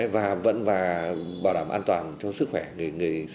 và vẫn bảo đảm an toàn cho sức khỏe người sử dụng cái thuốc này